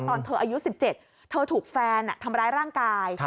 ตอนเธออายุ๑๗เธอถูกแฟนทำร้ายร่างกาย